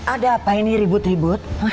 ada apa ini ribut ribut